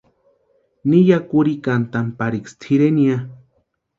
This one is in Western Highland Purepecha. Ni ya kurhikantʼani pariksï tʼireni ya.